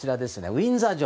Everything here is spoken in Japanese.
ウィンザー城